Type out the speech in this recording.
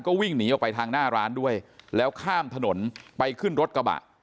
วิ่งหนีออกไปทางหน้าร้านด้วยแล้วข้ามถนนไปขึ้นรถกระบะ